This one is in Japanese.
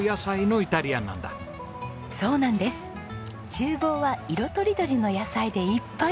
厨房は色とりどりの野菜でいっぱい！